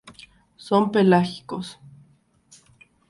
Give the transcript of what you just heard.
Son pelágicos.